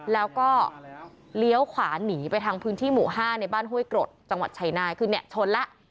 แล้วก็เลี้ยวขวาหนีไปทางพื้นที่หมู่๕ในบ้านห้วยกรดจังหวัดชัยนายคือเนี่ยชนแล้ว